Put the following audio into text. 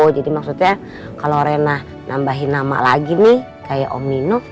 jadi maksudnya kalau riana nambahin nama lagi nih kayak om nino